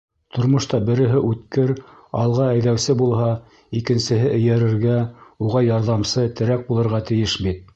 Тормошта береһе үткер, алға әйҙәүсе булһа, икенсеһе эйәрергә, уға ярҙамсы, терәк булырға тейеш бит.